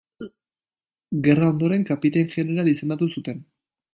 Gerra ondoren, kapitain-jeneral izendatu zuten.